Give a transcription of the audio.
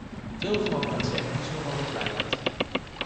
Veel van wat men zegt is nogal misleidend.